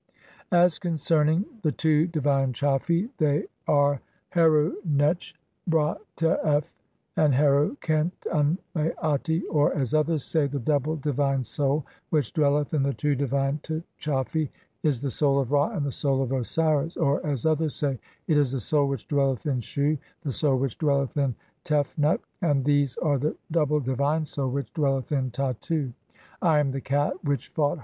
] (16) As concerning the two divine Tchafi they are Heru netch hra tef f (17) and Heru khent an maati ; or (as others say), the double divine Soul which dwelleth in the two divine Tchafi is the Soul of Ra and the Soul of Osiris ; [or (as others say),] It is the Soul (18) which dwelleth in Shu, [and] the Soul which dwelleth in Tefnut, and these are the double divine Soul which dwelleth in Tattu. "I am the Cat which fought